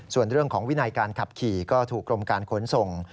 ส่วนเรื่องของวินัยการขับขี่ก็ถูกกรมการขนส่ง